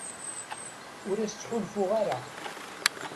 Ur as-ttḥulfuɣ ara.